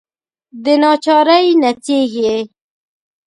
دناچارۍ نڅیږې